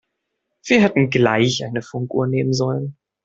Wir hätten gleich eine Funkuhr nehmen sollen.